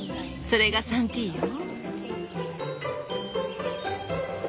それがサンティーよ。